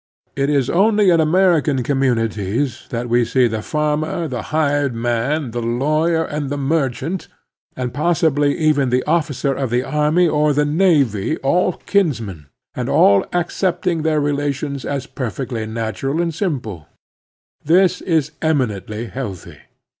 It is only in American communities that we see the farmer, the hired man, the lawyer, and the merchant, and possibly even the officer of the army or the navy, all kinsmen, and all accepting their relations as perfectly nattua.1 and simple. This is eminently healthy.